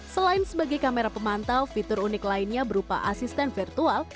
selain sebagai kamera pemantau fitur unik lainnya berupa asisten virtual